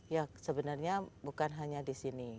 ya sebenarnya bukan hanya di sini